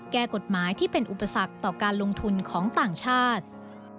แก้กฎหมายที่เป็นอุปสรรคต่อการลงทุนของต่างชาติ